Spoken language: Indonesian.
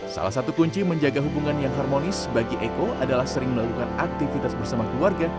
salah satu kunci menjaga hubungan yang harmonis bagi eko adalah sering melakukan aktivitas bersama keluarga